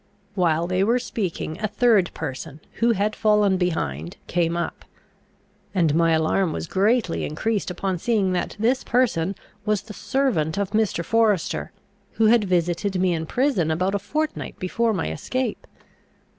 While they were speaking a third person, who had fallen behind, came up; and my alarm was greatly increased upon seeing that this person was the servant of Mr. Forester, who had visited me in prison about a fortnight before my escape.